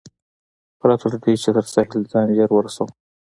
پرته له دې، چې تر ساحل ځان ژر ورسوم.